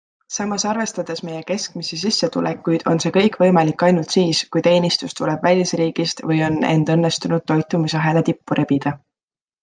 Samas arvestades meie keskmisi sissetulekuid on see kõik võimalik ainult siis, kui teenistus tuleb välisriigist või on end õnnestunud toitumisahela tippu rebida.